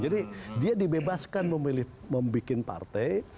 jadi dia dibebaskan memilih membuat partai